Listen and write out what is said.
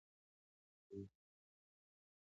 دې خبرې سره